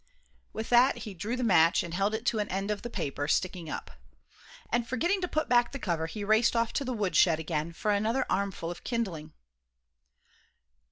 _" With that he drew the match, and held it to an end of the paper, sticking up. And forgetting to put back the cover, he raced off to the wood, shed again for another armful of kindling.